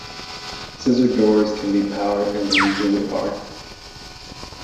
Scissor doors can be powered and they usually are.